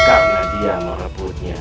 karena dia merebutnya